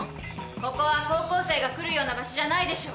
ここは高校生が来るような場所じゃないでしょう。